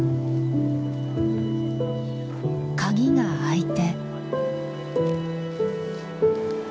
鍵があいて。